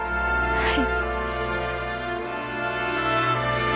はい。